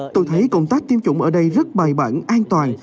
tôi thấy công tác tiêm chủng ở đây rất bài bản an toàn